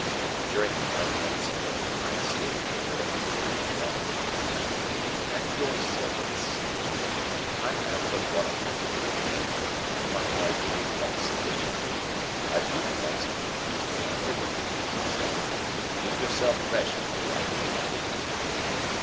"During the night, monseigneur, I sleep or read in my bed." "And your servants?" "I have but one attendant with me. I find my reader quite sufficient. Adieu, monseigneur; do not overfatigue yourself; keep yourself fresh for the arrival of the king."